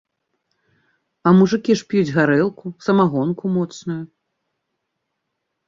А мужыкі ж п'юць гарэлку, самагонку моцную.